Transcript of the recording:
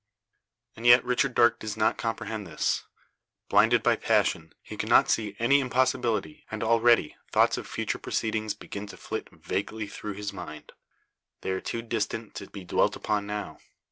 And yet Richard Darke does not comprehend this. Blinded by passion, he cannot see any impossibility, and already thoughts of future proceedings begin to flit vaguely through his mind. They are too distant to be dwelt upon now.